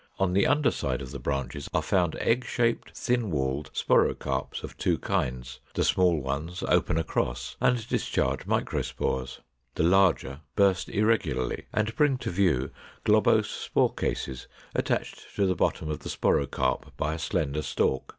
On the under side of the branches are found egg shaped thin walled sporocarps of two kinds. The small ones open across and discharge microspores; the larger burst irregularly, and bring to view globose spore cases, attached to the bottom of the sporocarp by a slender stalk.